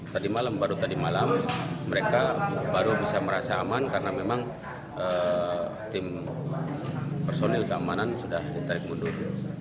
tadi malam baru tadi malam mereka baru bisa merasa aman karena memang tim personil keamanan sudah ditarik mundur